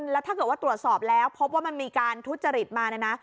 แล้วถ้าเกิดว่าตรวจสอบแล้วพบว่ามันมีการทุจริตมาเนี่ยนะ